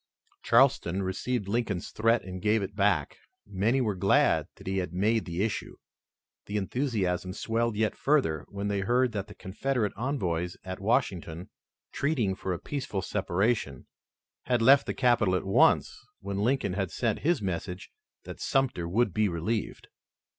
Charleston received Lincoln's threat and gave it back. Many were glad that he had made the issue. The enthusiasm swelled yet further, when they heard that the Confederate envoys at Washington, treating for a peaceful separation, had left the capital at once when Lincoln had sent his message that Sumter would be relieved.